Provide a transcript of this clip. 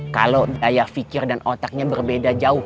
kalau daya fikir dan otaknya berbeda jauh